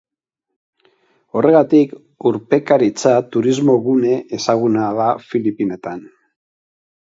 Horregatik, urpekaritza turismo-gune ezaguna da Filipinetan.